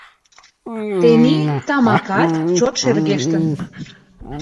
Тений тамакат чот шергештын.